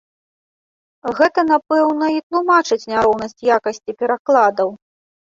Гэта, напэўна, і тлумачыць няроўнасць якасці перакладаў.